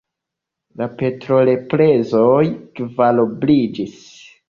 La petrolprezoj kvarobliĝis.